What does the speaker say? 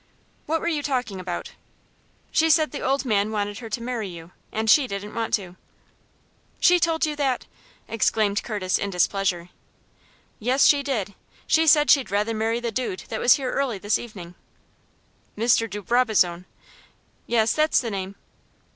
"What were you talking about?" "She said the old man wanted her to marry you, and she didn't want to." "She told you that?" exclaimed Curtis, in displeasure. "Yes, she did. She said she'd rather marry the dude that was here early this evenin'." "Mr. de Brabazon!" "Yes, that's the name."